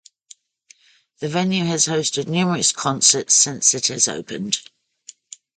The venue has hosted numerous concerts since it has opened.